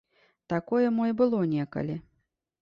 Такое мо і было некалі.